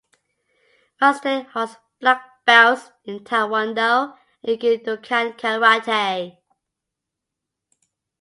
Mustaine holds black belts in taekwondo and Ukidokan karate.